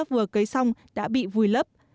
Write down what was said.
vừa cấy xong đã bị vùi lấp